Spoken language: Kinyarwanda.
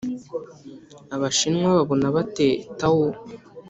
abashinwa babona bate tao?